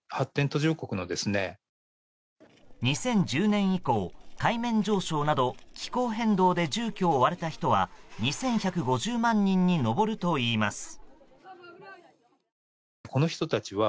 ２０１０年以降、海面上昇など気候変動で住居を追われた人は２１５０万人に上るといいます。